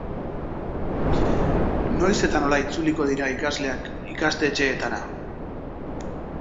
Noiz eta nola itzuliko dira ikasleak ikastetxeetara?